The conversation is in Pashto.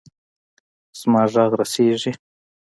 زما ږغ رسیږي.